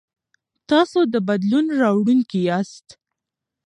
تاسو د بدلون راوړونکي یاست.